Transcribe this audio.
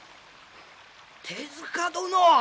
手塚殿！